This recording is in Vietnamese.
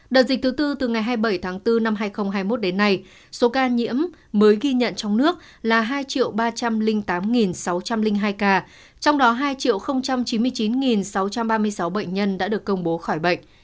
đợt dịch thứ tư từ ngày hai mươi bảy tháng bốn năm hai nghìn hai mươi một đến nay số ca nhiễm mới ghi nhận trong nước là hai ba trăm linh tám sáu trăm linh hai ca trong đó hai chín mươi chín sáu trăm ba mươi sáu bệnh nhân đã được công bố khỏi bệnh